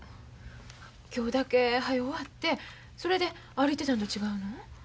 今日だけはよう終わってそれで歩いてたんと違うの？